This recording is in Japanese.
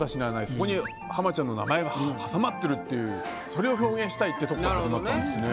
そこに浜ちゃんの名前が挟まってるそれを表現したいってとこから始まったんですね。